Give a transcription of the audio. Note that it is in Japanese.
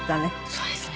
そうですね。